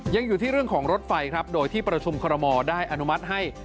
ยังอยู่ที่เรื่องของรถไฟครับโดยที่ประชุมคอรมอลได้อนุมัติให้